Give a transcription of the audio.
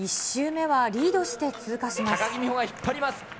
１周目はリードして通過します。